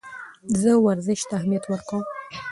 زه ورزش ته اهمیت ورکوم.